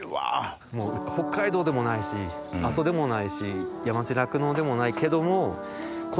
北海道でもないし阿蘇でもないし山地酪農でもないけども。